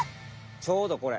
ちょうどこれ。